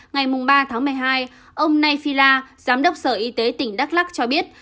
ngày ba một mươi hai ông nay phila giám đốc sở y tế tỉnh đắk lắc cho biết